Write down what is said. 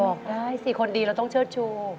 ได้สิคนดีเราต้องเชิดชู